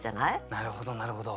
なるほどなるほど。